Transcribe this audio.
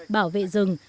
bảo vệ rừng